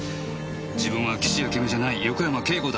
自分は岸あけみじゃない横山慶子だ。